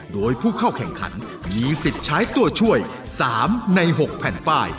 โดยผู้เข้าแข่งขันมีสิทธิ์ใช้ตัวช่วย๓ใน๖แผ่นป้าย